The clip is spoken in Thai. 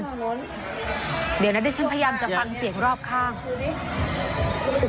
เดี๋ยวนะเดี๋ยวฉันพยายามจะฟังเสียงรอบข้าง